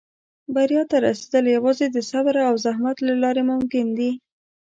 • بریا ته رسېدل یوازې د صبر او زحمت له لارې ممکن دي.